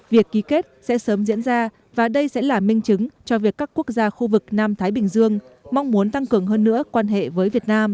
việc ký kết sẽ sớm diễn ra và đây sẽ là minh chứng cho việc các quốc gia khu vực nam thái bình dương mong muốn tăng cường hơn nữa quan hệ với việt nam